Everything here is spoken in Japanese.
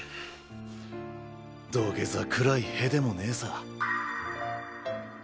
土下座くらい屁でもねえさ。